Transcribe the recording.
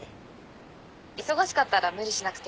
忙しかったら無理しなくていいんだけど。